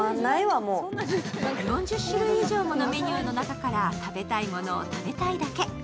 ４０種類以上のメニューの中から食べたいものを食べたいだけ。